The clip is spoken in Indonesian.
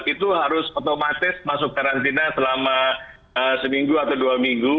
itu harus otomatis masuk karantina selama seminggu atau dua minggu